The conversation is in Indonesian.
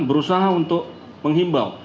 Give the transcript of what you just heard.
berusaha untuk menghimbau